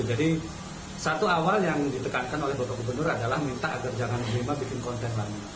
jadi satu awal yang ditekankan oleh bapak gubernur adalah minta agar jangan bima bikin konten lain